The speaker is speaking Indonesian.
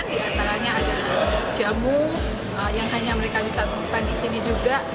di antaranya adalah jamu yang hanya mereka bisa temukan di sini juga